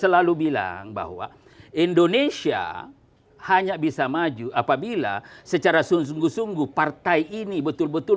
selalu bilang bahwa indonesia hanya bisa maju apabila secara sungguh sungguh partai ini betul betul